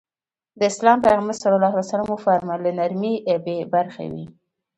د اسلام پيغمبر ص وفرمايل له نرمي بې برخې وي.